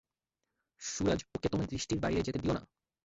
সুরাজ, ওকে তোমার দৃষ্টির বাইরে যেতে দিও না।